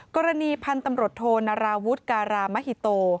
กรณีพันธุ์ตำรวจโทนาราวุฒิการามหิโต